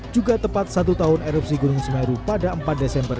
juga tepat satu tahun erupsi gunung semeru pada empat desember dua ribu dua puluh satu